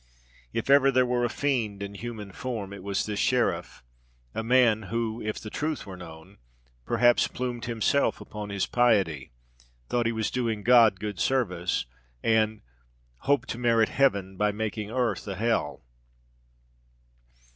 If ever there were a fiend in human form, it was this sheriff: a man who, if the truth were known, perhaps plumed himself upon his piety thought he was doing God good service, and "Hoped to merit heaven by making earth a hell!"